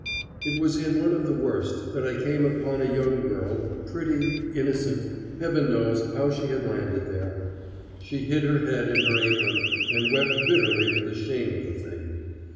It was in one of the worst that I came upon a young girl, pretty, innocent Heaven knows how she had landed there. She hid her head in her apron and wept bitterly with the shame of the thing.